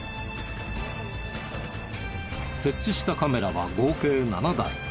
設置したカメラは合計７台。